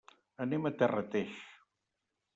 Anem a Terrateig.